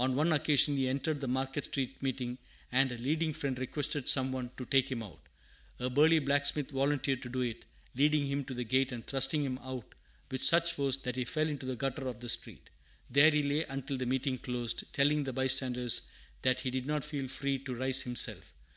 On one occasion he entered the Market Street Meeting, and a leading Friend requested some one to take him out. A burly blacksmith volunteered to do it, leading him to the gate and thrusting him out with such force that he fell into the gutter of the street. There he lay until the meeting closed, telling the bystanders that he did not feel free to rise himself.